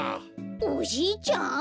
おじいちゃん？